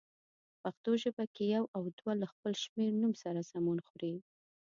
په پښتو ژبه کې یو او دوه له خپل شمېرنوم سره سمون خوري.